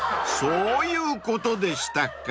［そういうことでしたか］